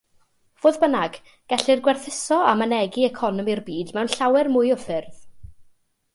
Fodd bynnag, gellir gwerthuso a mynegi economi'r byd mewn llawer mwy o ffyrdd.